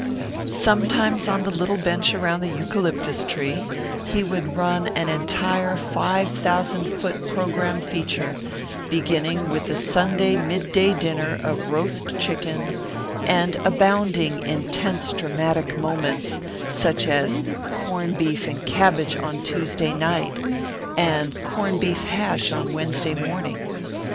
Sometimes on the little bench around the eucalyptus tree he would run an entire five thousand foot program feature, beginning with the Sunday midday dinner of roast chicken, and abounding in tense dramatic moments such as corned beef and cabbage on Tuesday night, and corned beef hash on Wednesday morning.